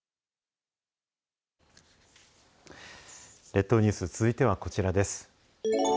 列島ニュース、続いてはこちらです。